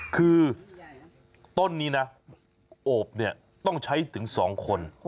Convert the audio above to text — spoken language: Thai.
คือต้นนี้นะโอบต้องใช้ถึงสองคน